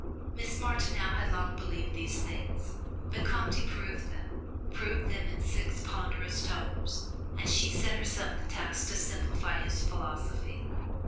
Miss Martineau had long believed these things, but Comte proved them proved them in six ponderous tomes and she set herself the task to simplify his philosophy.